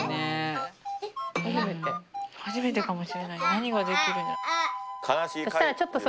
何が出来るんだろう。